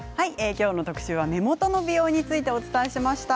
今日の特集は目元の美容についてお伝えしました。